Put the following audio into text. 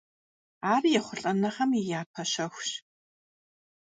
Ар ехъулӀэныгъэм и япэ щэхущ.